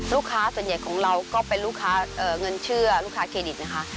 ลูกค้าส่วนใหญ่ของเราก็เป็นลูกค้าเงินเชื่อลูกค้าเครดิตนะคะ